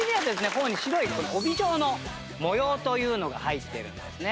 頬に白い帯状の模様というのが入ってるんですね。